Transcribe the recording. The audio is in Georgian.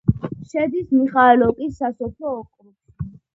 შედის მიხაილოვკის სასოფლო ოკრუგში.